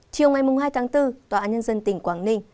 chiều ngày hai tháng bốn tòa án nhân dân tỉnh quảng ninh